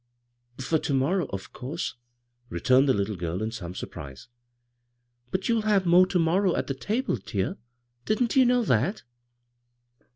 " For ter morrow, of couise," returned the little girl in some surprise. " But you'U have more to morrow at the table, dear. Didn't you know that?"